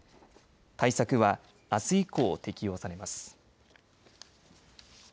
対策は、あす以降適用されます。